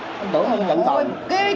kiểu gì mà kiểu